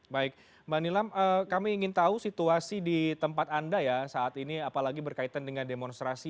baik mbak nilam kami ingin tahu situasi di tempat anda ya saat ini apalagi berkaitan dengan demonstrasi